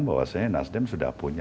bahwa nasdem sudah punya